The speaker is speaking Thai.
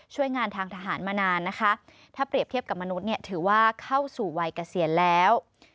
ช่วยงานทางทหารมานานนะคะถ้าเปรียบเทียบกับมนุษย์เนี่ยถือว่าเข้าสู่วัยเกษียณแล้ว